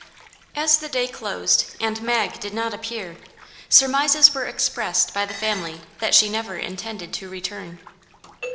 As the day closed and Mag did not appear, surmises were expressed by the family that she never intended to return.